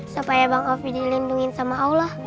supaya bang alfie dilindungi sama allah